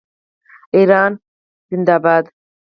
ایران زنده باد.